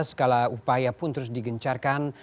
segala upaya pun terus digencarkan